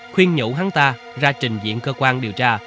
khuyên nhũ hắn ta ra trình diện cơ quan điều tra